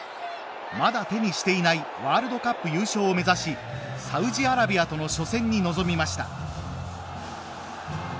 まだ手にしていないワールドカップ優勝を目指しサウジアラビアとの初戦に臨みました。